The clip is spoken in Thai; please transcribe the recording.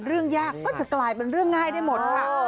เรื่องยากก็จะกลายเป็นเรื่องง่ายได้หมดค่ะ